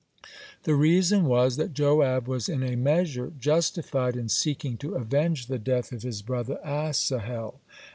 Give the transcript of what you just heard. (86) The reason was that Joab was in a measure justified in seeking to avenge the death of his brother Asahel.